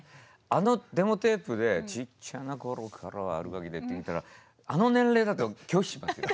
あのデモテープで「ちっちゃな頃から悪ガキで」ってみたらあの年齢だと拒否しますよ。